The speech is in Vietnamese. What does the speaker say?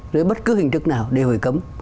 dưới bất cứ hình thức nào đều phải cấm